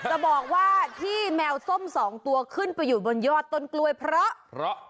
จะบอกว่าที่แมวส้มสองตัวขึ้นไปอยู่บนยอดต้นกล้วยเพราะเพราะ